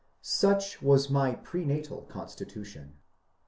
Such was my pre natal constitution.